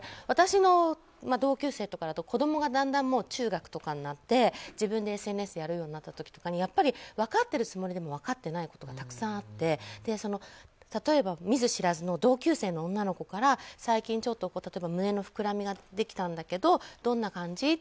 私の同級生とかだと子供がだんだん中学とかになっていって自分でＳＮＳやるようになった時にやっぱり、分かってるつもりでも分かってないことがたくさんあって例えば、見ず知らずの同級生の女の子から最近、胸のふくらみができたんだけどどんな感じ？